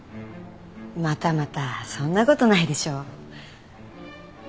またまたそんなことないでしょう。